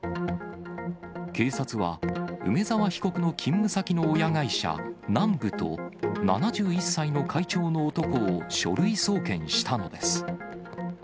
警察は、梅沢被告の勤務先の親会社、南武と、７１歳の会長の男を書類送検したのです。